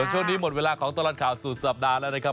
ช่วงนี้หมดเวลาของตลอดข่าวสุดสัปดาห์แล้วนะครับ